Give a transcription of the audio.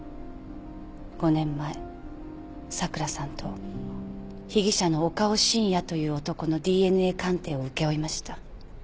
５年前咲良さんと被疑者の岡尾芯也という男のＤＮＡ鑑定を請け負いました。